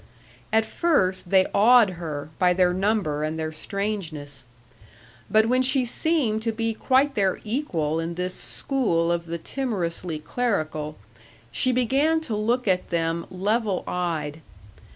At first they awed her by their number and their strangeness. But when she seemed to be quite their equal in this school of the timorously clerical, she began to look at them level eyed....